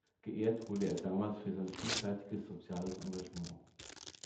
Geehrt wurde er damals für sein vielseitiges soziales Engagement.